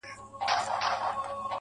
هغې په نيمه شپه ډېـــــوې بلــــي كړې.